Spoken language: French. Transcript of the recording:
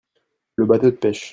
Le bâteau de pêche.